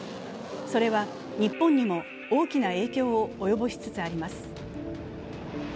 それは日本にも大きな影響を及ぼしつつあります。